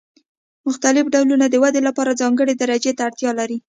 مختلف ډولونه د ودې لپاره ځانګړې درجې ته اړتیا لري.